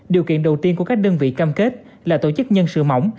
điều kiện đầu tiên của các đơn vị cam kết là tổ chức nhân sự mỏng